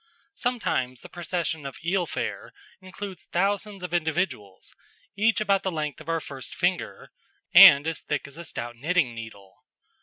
Sometimes the procession or eel fare includes thousands of individuals, each about the length of our first finger, and as thick as a stout knitting needle.